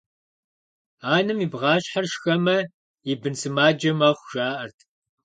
Анэм и бгъащхьэр шхэмэ, и бын сымаджэ мэхъу, жаӏэрт.